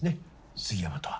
杉山とは。